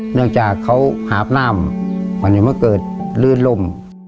เนื่องจากเขาหาบน้ำมันอย่างเมื่อเกิดลื้นลม